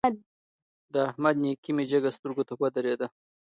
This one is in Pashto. د احمد نېکي مې جګه سترګو ته ودرېده.